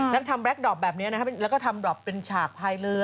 แล้วทำแล็คดอปแบบนี้นะครับแล้วก็ทำดอปเป็นฉากพายเรือ